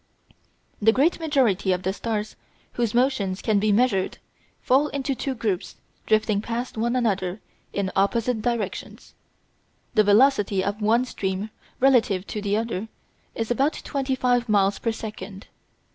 The great majority of the stars whose motions can be measured fall into two groups drifting past one another in opposite directions. The velocity of one stream relative to the other is about twenty five miles per second.